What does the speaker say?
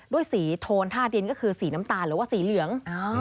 สีโทนท่าดินก็คือสีน้ำตาลหรือว่าสีเหลือง